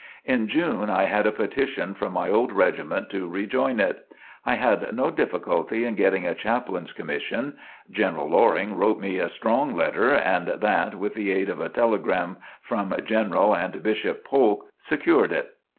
In June, I had a petition from my old regiment to rejoin it. I had no difficulty in getting a chaplain's commission. General Loring wrote me a strong letter, and that, with the aid of a telegram from General (and Bishop) Polk, secured it.